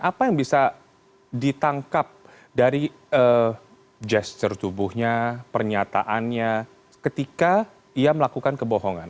apa yang bisa ditangkap dari gesture tubuhnya pernyataannya ketika ia melakukan kebohongan